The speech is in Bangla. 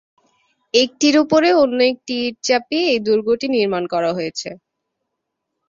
একটির ওপরে অন্য একটি ইট চাপিয়ে এই দুর্গটি নির্মাণ করা হয়েছে।